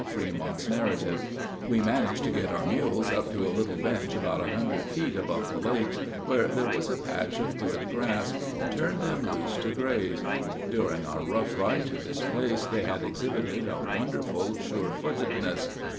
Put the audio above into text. Fremont's Narrative:" We managed to get our mules up to a little bench about a hundred feet above the lakes, where there was a patch of good grass, and turned them loose to graze. During our rough ride to this place, they had exhibited a wonderful surefootedness.